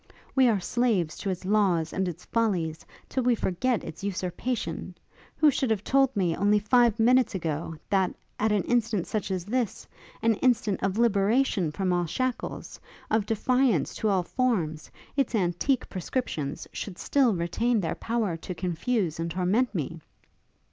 We are slaves to its laws and its follies, till we forget its usurpation. Who should have told me, only five minutes ago, that, at an instant such as this; an instant of liberation from all shackles, of defiance to all forms; its antique prescriptions should still retain their power to confuse and torment me?